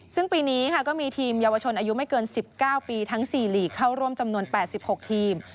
ซึ่งปีนี้ค่ะก็มีทีมเยาวชนอายุไม่เกิน๑๙ปีทั้ง๔ลีกเข้าร่วมจำนวน๘๖ทีม